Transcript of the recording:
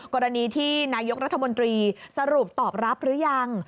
กรณีที่นายกรัฐมนตรีสรุปตอบรับหรือยัง